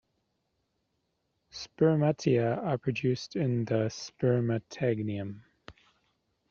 Spermatia are produced in a spermatangium.